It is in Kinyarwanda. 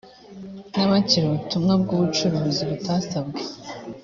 n abakira ubutumwa bw ubucuruzi butasabwe